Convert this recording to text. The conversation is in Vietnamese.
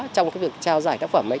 trong cái việc trao giải tác phẩm ấy